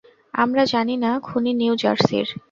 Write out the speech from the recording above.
আমরা জানি না খুনি নিউ জার্সির।